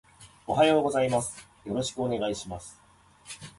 おはようございます。よろしくお願いします